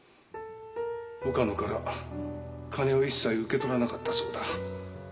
岡野から金を一切受け取らなかったそうだ。